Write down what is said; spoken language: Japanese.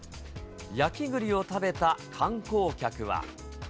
焼きぐりを食べた観光客は。